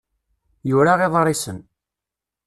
yura iḍrisen.